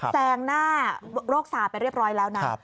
แซงหน้าโรคซาไปเรียบร้อยแล้วนะ